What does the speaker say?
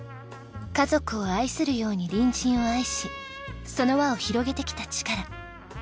家族を愛するように隣人を愛しその輪を広げてきたチカラ。